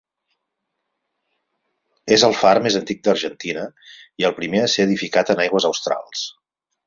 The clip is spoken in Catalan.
És el far més antic d'Argentina i el primer a ser edificat en aigües australs.